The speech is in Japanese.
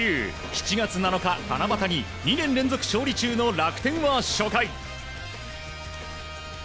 ７月７日、七夕に２年連続勝利中の楽天は初回。